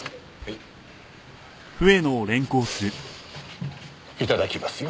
いただきますよ。